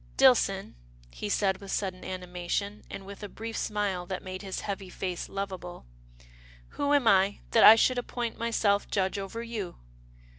" Dillson," he said with sudden animation, and with a brief smile that made his heavy face lovable, " who am I, that I should appoint myself judge over you